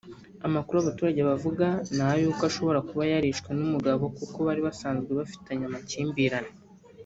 Amakuru abaturage bavugaga ni ay’uko ashobora kuba yarishwe n’umugabo kuko bari basanzwe bafitanye amakimbirane